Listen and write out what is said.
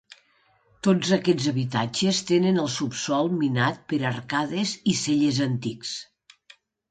Tots aquests habitatges tenen el subsòl minat per arcades i cellers antics.